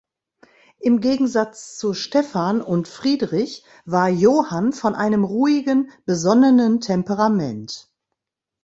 Im Gegensatz zu Stephan und Friedrich war Johann von einem ruhigen, besonnenen Temperament.